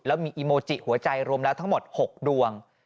แล้วมีอีโมจิหัวใจรวมแล้วทั้งหมด๖ดวง